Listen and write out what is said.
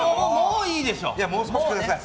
もう少しください。